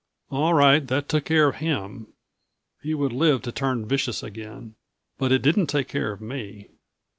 All right, that took care of him. He would live to turn vicious again. But it didn't take care of me.